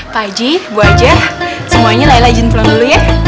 pak eji bu aja semuanya layan layan pulang dulu ya